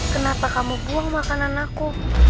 kenapa kamu buang makanan aku